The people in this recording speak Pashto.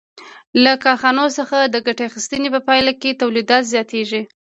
له کارخانو څخه د ګټې اخیستنې په پایله کې تولیدات زیاتېږي